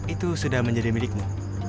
itu sudah menjadi milikmu